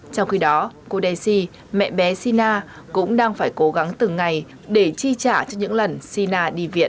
trong khi đó kodesi mẹ bé sina cũng đang phải cố gắng từng ngày để chi trả cho những lần sina đi viện